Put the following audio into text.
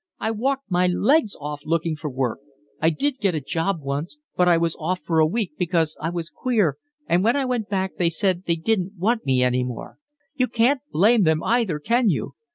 I walked my legs off looking for work. I did get a job once, but I was off for a week because I was queer, and when I went back they said they didn't want me any more. You can't blame them either, can you?